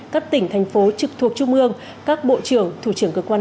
các tỉnh thành phố trực thuộc trung ương các bộ trưởng thủ trưởng cơ quan